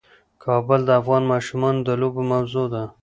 کابل د افغان ماشومانو د لوبو موضوع ده.